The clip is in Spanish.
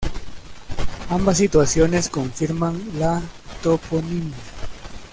Ambas situaciones confirman la toponimia.